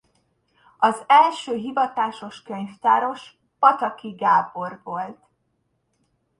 Az első hivatásos könyvtáros Pataki Gábor volt.